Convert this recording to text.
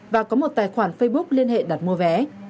và có một tài khoản facebook liên hệ đặt mua vé